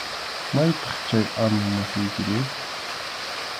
¿Maytaq chay amu masiykiri?